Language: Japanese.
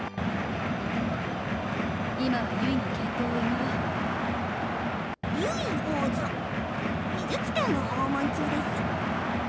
今はゆいの健闘をいのろうゆい王女美術館を訪問中です